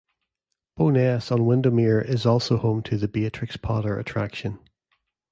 Bowness-on-Windermere is also home to the Beatrix Potter attraction.